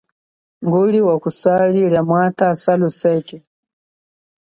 Nguli wa kusali lia mwatha saluseke.